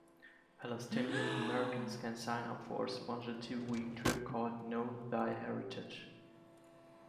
Palestinian-Americans can sign up for a sponsored two-week trip called Know Thy Heritage.